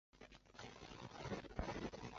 本市是肥后国府与肥后国分寺所在地。